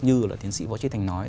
như là thiến sĩ võ trí thành nói